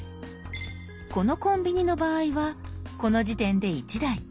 このコンビニの場合はこの時点で１台。